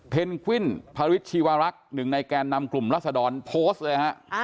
วิ่นพระฤทธชีวรักษ์หนึ่งในแกนนำกลุ่มรัศดรโพสต์เลยฮะ